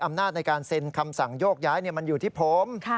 อำนาจในการเซ็นคำสั่งโยกย้ายมันอยู่ที่ผม